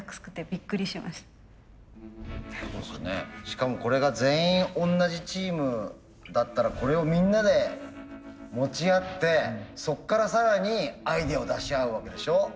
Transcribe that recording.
しかもこれが全員同じチームだったらこれをみんなで持ち合ってそっから更にアイデアを出し合うわけでしょ。